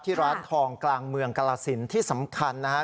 ที่ร้านทองกลางเมืองกราศิลป์ที่สำคัญนะครับ